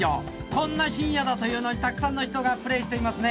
こんな深夜だというのにたくさんの人がプレーしていますね。